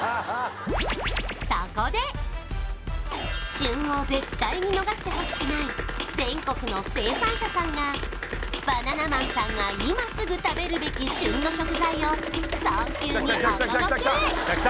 旬を絶対に逃してほしくない全国の生産者さんがバナナマンさんが今すぐ食べるべき旬の食材を早急にお届け！